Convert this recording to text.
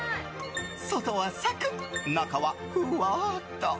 外はサクッ、中はふわっと。